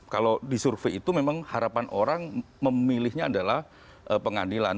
kalau di survei itu memang harapan orang memilihnya adalah pengadilan